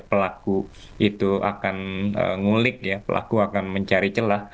pelaku itu akan ngulik ya pelaku akan mencari celah